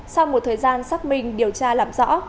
sau một thời gian xác minh điều tra làm rõ